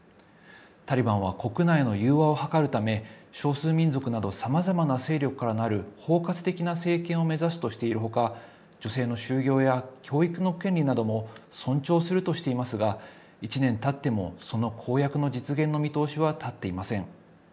タリバンは国内の融和を図るため、少数民族など、さまざまな勢力からなる包括的な政権を目指すとしているほか、女性の就業や教育の権利なども尊重するとしていますが、１年たってもその公約の実現の見通しは立っていません。